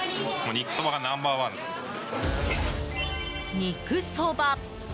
肉そば。